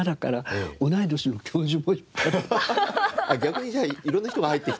逆にじゃあいろんな人が入ってきて。